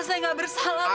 saya gak bersalah